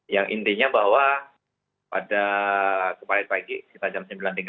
yang intinya bahwa pada kemarin pagi sekitar jam sembilan tiga puluh